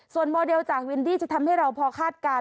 โมเดลจากวินดี้จะทำให้เราพอคาดการณ